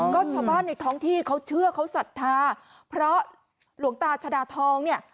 ก็ชาวบ้านในท้องที่เขาเชื่อเขาศรัทธาเพราะหลวงตาชดาทองเนี่ย